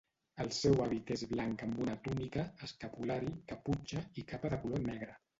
El seu hàbit és blanc amb una túnica, escapulari, caputxa i capa de color negre.